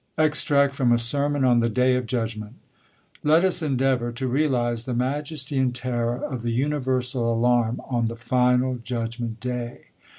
Extract from a Sermon on the Day of Judgment* LET us endeavour to realize the majesty and terror of the universal alarm on the final Judgment Day.